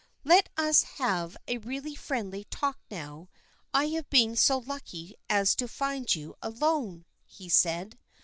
"Let us have a real friendly talk now I have been so lucky as to find you alone," he said.